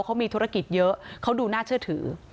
เขามีธุรกิจเยอะเขาดูน่าเชื่อถือ